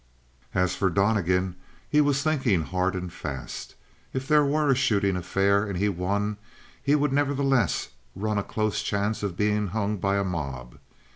As for Donnegan, he was thinking hard and fast. If there were a shooting affair and he won, he would nevertheless run a close chance of being hung by a mob.